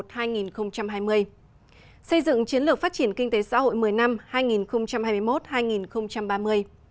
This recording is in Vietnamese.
xây dựng chiến lược phát triển kinh tế xã hội một mươi năm hai nghìn hai mươi một hai nghìn ba mươi